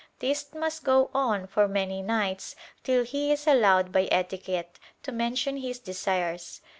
This must go on for many nights till he is allowed by etiquette to mention his desires.